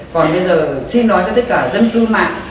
còn bây giờ xin nói cho tất cả dân cư mạng